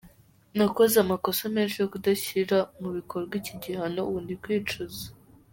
Nakoze amakosa menshi yo kudashyira mu bikorwa iki gihano, ubu ndi kwicuza.